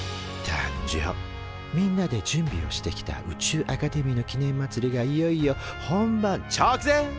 みんなで準備をしてきた宇宙アカデミーの記念まつりがいよいよ本番ちょくぜん。